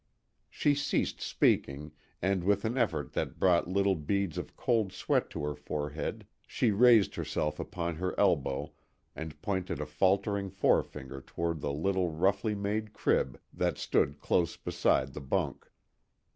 She ceased speaking, and with an effort that brought little beads of cold sweat to her forehead, she raised herself upon her elbow and pointed a faltering forefinger toward the little roughly made crib that stood close beside the bunk.